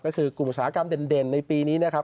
ก็คือกลุ่มอุตสาหกรรมเด่นในปีนี้นะครับ